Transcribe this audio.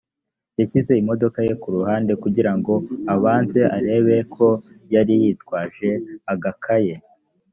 yashyize imodoka ye ku ruhande kugira ngo abanze arebe ko yari yitwaje agakaye